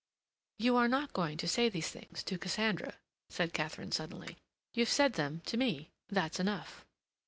"You are not going to say these things to Cassandra," said Katharine suddenly. "You've said them to me; that's enough."